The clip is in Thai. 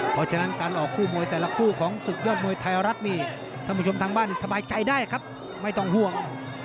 เพราะฉะนั้นการออกคู่มวยแต่ละคู่ของศึกยอดมวยไทยรัฐนี่ท่านผู้ชมทางบ้านสบายใจได้ครับไม่ต้องห่วง